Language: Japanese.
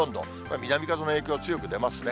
南風の影響が強く出ますね。